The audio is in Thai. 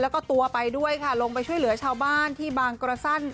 แล้วก็ตัวไปด้วยค่ะลงไปช่วยเหลือชาวบ้านที่บางกระสั้น